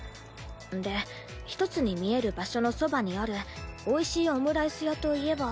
で１つに見える場所のそばにあるおいしいオムライス屋といえば。